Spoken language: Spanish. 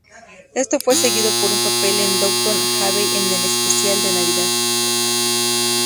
Esto fue seguido por un papel en Downton Abbey en el especial de Navidad.